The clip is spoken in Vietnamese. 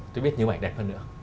tôi biết những bức ảnh đẹp hơn nữa